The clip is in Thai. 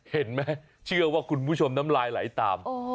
เชื่อว่าคุณผู้ชมน้ำลายไหลตาม